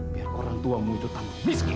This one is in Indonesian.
biar orang tua mu itu tanpa miskin